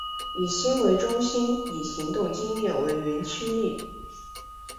以心为中心以行动经验为原驱力。